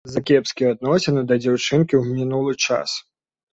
За кепскія адносіны да дзяўчынкі ў мінулы час.